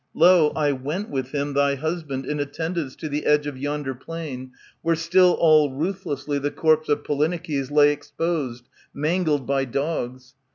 Lo ! I went with him. Thy husband, in attendance, to the edge Of yonder plain, where still all ruthlessly The corpse of Polyneikes lay exposed. Mangled by dogs.